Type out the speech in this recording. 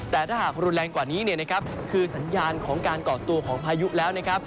แต่ถ้าหากรุนแรงกว่านี้เนี่ยนะครับคือสัญญาณของการก่อตัวของพายุแล้วนะครับ